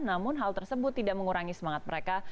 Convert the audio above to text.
namun hal tersebut tidak mengurangi semangat mereka